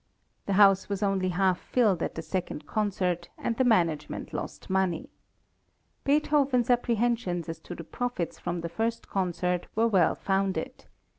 The house was only half filled at the second concert and the management lost money. Beethoven's apprehensions as to the profits from the first concert were well founded.